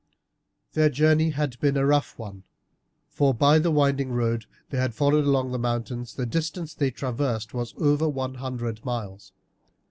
Their journey had been a rough one, for, by the winding road they had followed along the mountains, the distance they traversed was over one hundred miles.